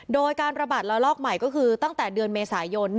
โดยการระบาดระลอกใหม่ก็คือตั้งแต่เดือนเมษายน